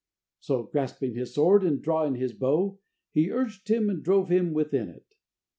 So grasping his sword and drawing his bow, he urged him and drove him within it.